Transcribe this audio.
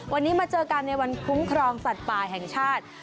วันนี้มาเจอกันในวันคุ้มครองสัตว์ป่าแห่งชาติ